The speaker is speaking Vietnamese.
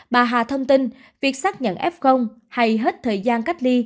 bà hà thông tin việc xác nhận f hay hết thời gian cách ly